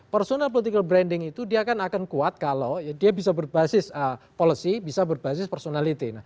personal political branding itu dia akan kuat kalau dia bisa berbasis policy bisa berbasis personality